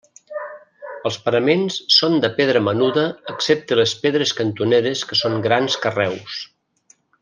Els paraments són de pedra menuda excepte les pedres cantoneres que són grans carreus.